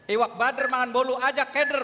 iwak bader makan bolu ajak eder